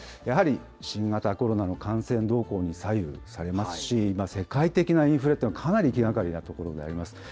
やはり新型コロナの感染動向に左右されますし、今、世界的なインフレっていうのは、かなり気がかりなところであります。